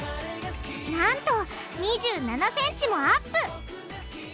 なんと２７ｃｍもアップ！